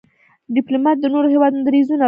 ډيپلومات د نورو هېوادونو دریځونه درک کوي.